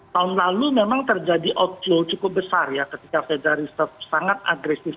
tahun lalu memang terjadi outflow cukup besar ya ketika federal reserve sangat agresif